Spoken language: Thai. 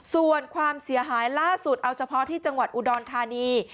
ส่วนความเสียหายล่าสุดเอาเฉพาะที่จังหวัดอุดรธานี